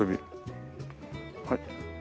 はい。